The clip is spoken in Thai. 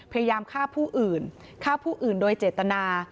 พยายามฆ่าผู้อื่นฆ่าผู้อื่นโดยเจตนา